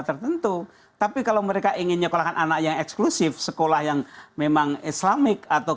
tertentu tapi kalau mereka ingin nyekolahkan anak yang eksklusif sekolah yang memang islamic atau